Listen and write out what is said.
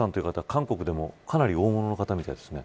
韓国でもかなり大物の方みたいですね。